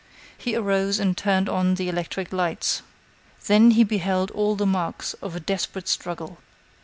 He arose and turned on the electric lights. Then he beheld all the marks of a desperate struggle.